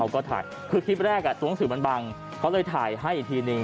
ก็ถ่ายคือคลิปแรกตัวหนังสือมันบังเขาเลยถ่ายให้อีกทีนึง